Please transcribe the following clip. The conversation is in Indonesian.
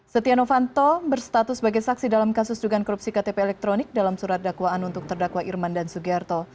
setia novanto berstatus sebagai saksi dalam kasus dugaan korupsi ktp elektronik dalam surat dakwaan untuk terdakwa irman dan sugiharto